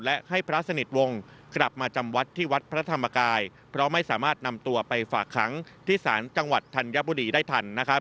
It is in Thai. และให้พระสนิทวงศ์กลับมาจำวัดที่วัดพระธรรมกายเพราะไม่สามารถนำตัวไปฝากขังที่ศาลจังหวัดธัญบุรีได้ทัน